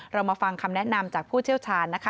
เรามาฟังคำแนะนำจากผู้เชี่ยวชาญนะคะ